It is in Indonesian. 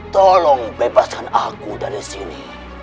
tolong bebaskan aku dari sini